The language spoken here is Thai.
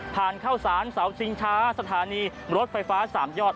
ทางสตสาบสิงชาสถานีรถไฟฟ้าสามยอด